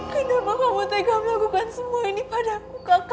kenapa kamu tega melakukan semua ini padaku kakak